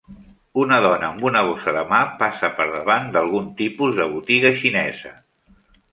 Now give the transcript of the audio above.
Una dona amb una bossa de mà passa per davant d'algun tipus de botiga xinesa.